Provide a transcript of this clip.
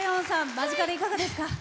間近でいかがですか？